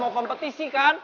mau kompetisi kan